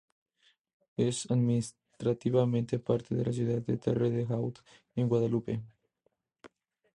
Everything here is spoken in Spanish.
Es administrativamente parte de la ciudad de Terre-de-Haut, en Guadalupe.